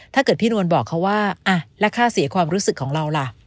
ถ้าเกิดพี่นวลบอกเขาว่าแล้วค่าเสียความรู้สึกของเราล่ะ